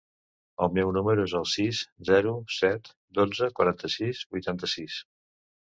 El meu número es el sis, zero, set, dotze, quaranta-sis, vuitanta-sis.